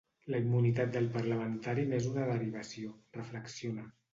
La immunitat del parlamentari n’és una derivació, reflexiona.